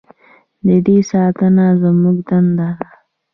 د دې ساتنه زموږ دنده ده؟